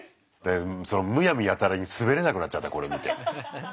むやみやたらにスベれなくなっちゃったこれ見て。